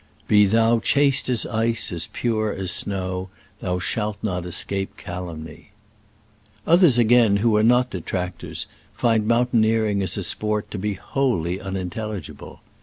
Be thou chaste as ice, as pure as snow, thou shalt not escape calumny. Others, again, who are not detractors, find mountaineering, as a sport, to be wholly unintelligible.